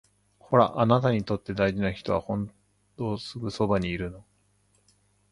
ほら、あなたにとって大事な人ほどすぐそばにいるの